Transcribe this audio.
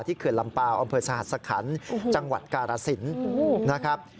เขื่อนลำเปล่าอำเภอสหัสคันจังหวัดกาลสินนะครับ